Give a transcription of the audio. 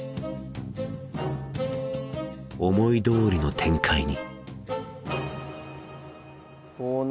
思いどおりの展開に５七。